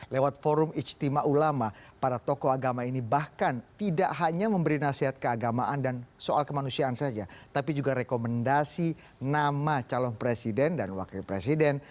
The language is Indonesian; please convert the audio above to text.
lewat forum ijtima ulama para tokoh agama ini bahkan tidak hanya memberi nasihat keagamaan dan soal kemanusiaan saja tapi juga rekomendasi nama calon presiden dan wakil presiden